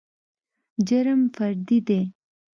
جرم فردي دى.